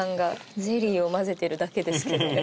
ゼリーを混ぜてるだけですけど。